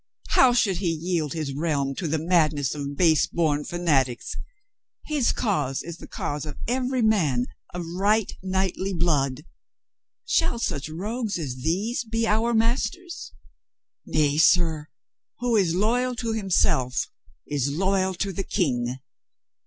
How should he yield his realm to the madness of base born fanatics? His cause is the cause of every man of right knightly blood. Shall such rogues as these be our masters? Nay, sir, who Is loyal to himself is loyal to the King.